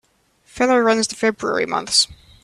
Feller runs the February months.